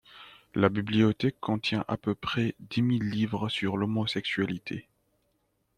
La bibliothèque contient à peu près dix mille livres sur l'homosexualité.